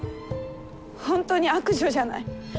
本当に悪女じゃない。